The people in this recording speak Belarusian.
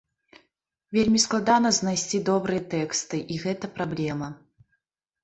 Вельмі складана знайсці добрыя тэксты, і гэта праблема.